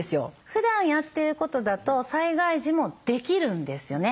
ふだんやってることだと災害時もできるんですよね。